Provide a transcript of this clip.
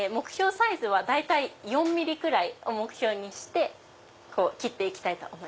大体４ｍｍくらいを目標にして切って行きたいと思います。